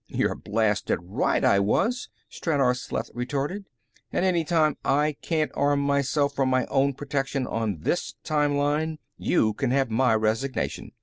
"You're blasted right I was!" Stranor Sleth retorted. "And any time I can't arm myself for my own protection on this time line, you can have my resignation.